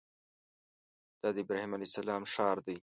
دا د ابراهیم علیه السلام ښار دی.